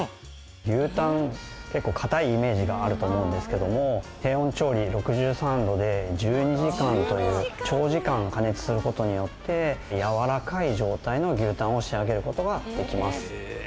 牛タン結構かたいイメージがあると思うんですけども低温調理６３度で１２時間という長時間加熱する事によってやわらかい状態の牛タンを仕上げる事ができます。